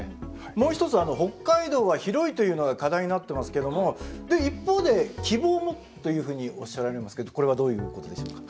もう一つ北海道は広いというのが課題になってますけどもで一方で「希望も」というふうにおっしゃられますけどこれはどういうことでしょうか。